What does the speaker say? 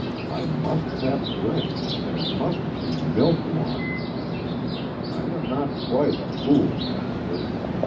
I must have drink, and it mustn't be milk wine. I am not quite a fool, master.